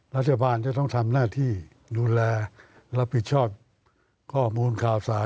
รัฐบาลจะต้องทำหน้าที่ดูแลรับผิดชอบข้อมูลข่าวสาร